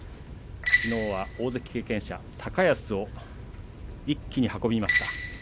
きのうは大関経験者、高安を一気に運びました。